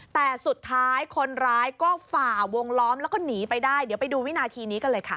แต่สุดท้ายคนร้ายก็ฝ่าวงล้อมแล้วก็หนีไปได้เดี๋ยวไปดูวินาทีนี้กันเลยค่ะ